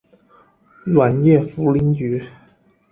软叶茯苓菊